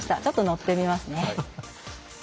ちょっと乗ってみますね。